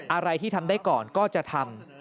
อะไรที่ทำได้ก่อนก็จะทำ